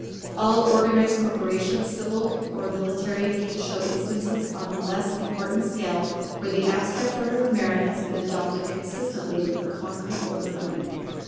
All organized corporations, civil or military, can show instances on a less important scale where the abstract order of merit has been adopted consistently with the concrete order of rank.